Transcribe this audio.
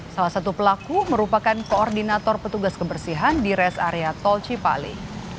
salah satu pelaku merupakan koordinator petugas kebersihan di res area tol cipali